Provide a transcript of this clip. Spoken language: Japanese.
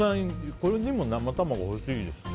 これでも生卵欲しいですね。